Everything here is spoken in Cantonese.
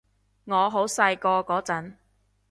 我好細個嗰陣